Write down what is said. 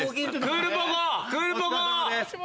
クールポコ。！